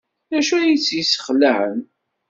D acu ay tt-yesxelɛen?